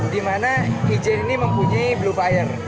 di mana ijen ini mempunyai blue fire